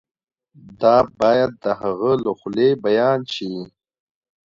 دا باید د هغه له خولې بیان شي.